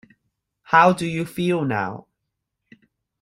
How do you feel now?